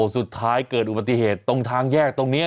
สุดท้ายเกิดอุบัติเหตุตรงทางแยกตรงนี้